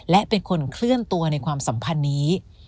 และเป็นคนเคลื่อนตัวในความสัมพันธ์นี้